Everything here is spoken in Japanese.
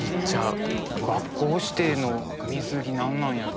学校指定の水着何なんやろう？